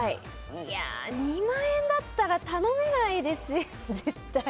２万円だったら頼めないですよ、絶対。